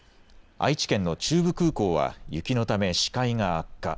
愛知県の中部空港は雪のため視界が悪化。